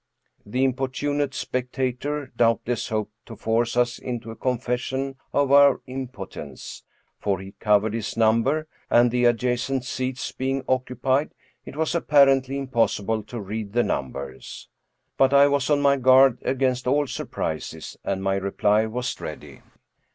The importunate spectator doubtless hoped to force us into a confession of our impotence, for he covered his num ber, and the adjacent seats being occupied, it was appar ently impossible to read the numbers. But I was on my guard against all surprises, and my reply was ready.